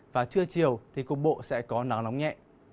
và trưa chiều thì cục bộ sẽ có nắng nóng nhẹ